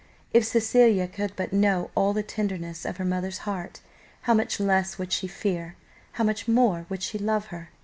If Cecilia could but know all the tenderness of her mother's heart, how much less would she fear, how much more would she love her!